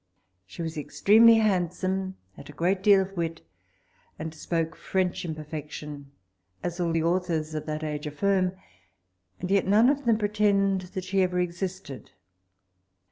She was extremely handsome, had a great deal of wit, and spoke French in perfection, as all the authors of that age affirm, and yet none of them pretend that she ever existed.